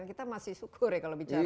kita masih syukur ya kalau bicara